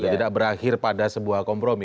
tidak berakhir pada sebuah kompromi